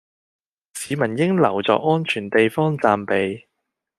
市民應留在安全地方暫避